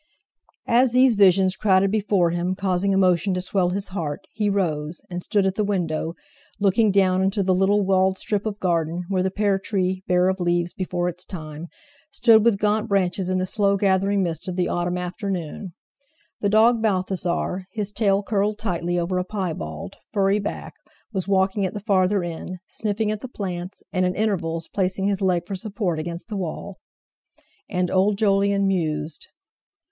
As these visions crowded before him, causing emotion to swell his heart, he rose, and stood at the window, looking down into the little walled strip of garden, where the pear tree, bare of leaves before its time, stood with gaunt branches in the slow gathering mist of the autumn afternoon. The dog Balthasar, his tail curled tightly over a piebald, furry back, was walking at the farther end, sniffing at the plants, and at intervals placing his leg for support against the wall. And old Jolyon mused.